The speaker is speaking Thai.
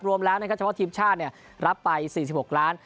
รวมแล้วก็ทีมชาตินี่รับไป๔๖ล้าน